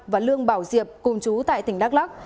và lương bảo diệp cùng chú tại tỉnh đắk lắc